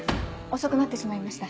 遅くなってしまいました。